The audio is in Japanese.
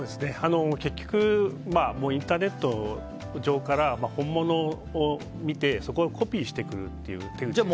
結局、インターネット上から本物を見てそこをコピーしてくるっていう手口ですね。